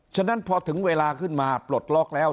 ฉะนั้นพอถึงเวลาขึ้นมาปลดล็อกแล้ว